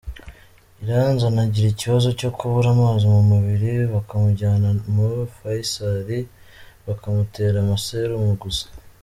Iranzi anagira ikibazo cyo kubura amazi mu mubiri, bakamujyana mu Faisal bakamutera amaserumu gusa.